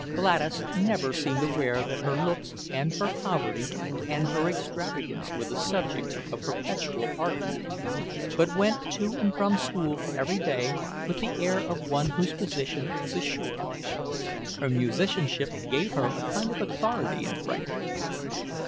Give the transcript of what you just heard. Gladys never seemed aware that her looks and her poverty and her extravagance were the subject of perpetual argument, but went to and from school every day with the air of one whose position is assured. Her musicianship gave her a kind of authority in Frankfort.